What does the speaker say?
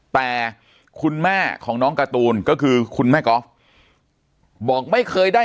แต่คุณแม่ของน้องการ์ตูนก็คือคุณแม่ก๊อฟบอกไม่เคยได้